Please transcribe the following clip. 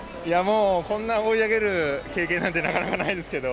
こんな追い上げる経験なんてなかなかないですけど。